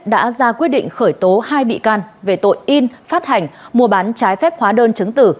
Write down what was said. đã ra quyết định khởi tố hai bị can về tội in phát hành mua bán trái phép hóa đơn chứng tử